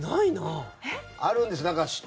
あるんです。